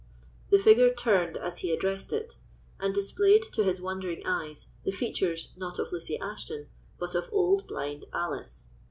The figure turned as he addressed it, and displayed to his wondering eyes the features, not of Lucy Ashton, but of old blind Alice.